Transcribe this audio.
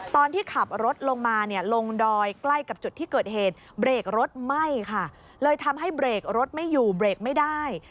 ตอนที่ขับรถลงมาเนี่ยลงดอยใกล้กับจุดที่เกิดเหตุเบรกรถไหม้ค่ะเลยทำให้เบรกรถไม่อยู่เบรกไม่ได้